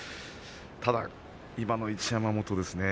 ただ今の一山本